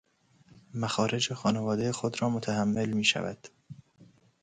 مخارج خانوادۀ خودرا متحمل میشود